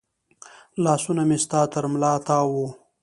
لاسونه مې ستا تر ملا تاو و